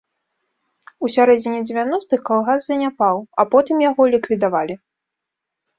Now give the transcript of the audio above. У сярэдзіне дзевяностых калгас заняпаў, а потым яго ліквідавалі.